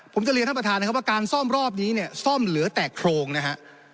ผมจะเรียนท่านประธานนะครับว่าการซ่อมรอบนี้เนี่ยซ่อมเหลือแต่โครงนะฮะ